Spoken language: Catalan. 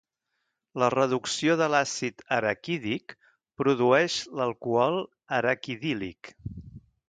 La reducció de l'àcid araquídic produeix l'alcohol araquidílic.